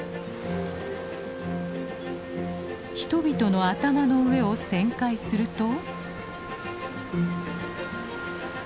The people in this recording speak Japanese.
人々の頭の上を旋回すると。